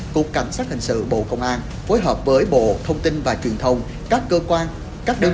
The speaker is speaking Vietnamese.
cục cảnh sát tổ chức công an phối hợp với bộ thông tin và truyền thống đã phát hiện và chuyển cơ quan chức năng điều tra